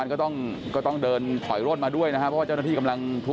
อย่างภาพที่เห็นด้านหน้านี้เลยนะคะ